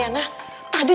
iya ini bahaya banget